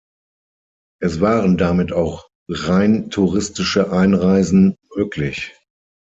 Es waren damit auch rein touristische Einreisen möglich.